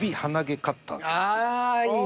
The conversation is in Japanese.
ああいい。